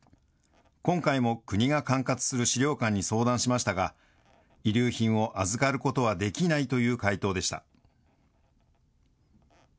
今回も、国が管轄する資料館に相談しましたが、遺留品を預かることはできないという回答でした。